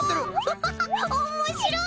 ハハハッおもしろい！